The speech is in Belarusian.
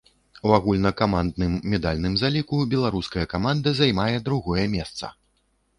У агульнакамандным медальным заліку беларуская каманда займае другое месца.